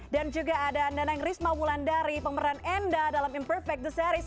dan juga ada neneng risma mulandari pemeran enda dalam imperfect the series